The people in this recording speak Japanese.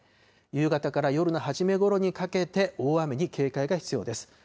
夕方から夜の初めごろにかけて、大雨に警戒が必要です。